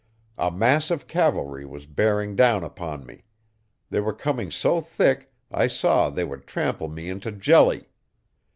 A mass of cavalry was bearing down upon me. They were coming so thick I saw they would trample me into jelly.